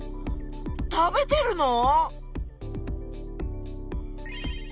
食べてるの？